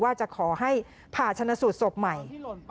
ว่าจะขอให้ผ่าชนะสูตรศพใหม่